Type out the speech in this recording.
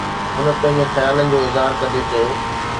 هن پنهنجي خيالن جو اظهار ڪندي چيو